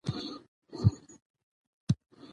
د افغانستان په جغرافیه کې پابندي غرونه ستر اهمیت لري.